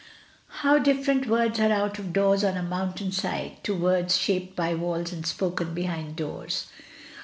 How different words are out of doors on a moun tain side to words shaped by walls and spoken be hind doors!